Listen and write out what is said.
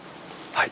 はい。